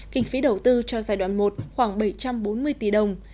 kinh phí đầu tư cho giai đoạn một khoảng bảy trăm bốn mươi tỷ đồng